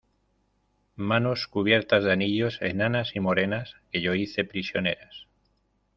manos cubiertas de anillos, enanas y morenas , que yo hice prisioneras.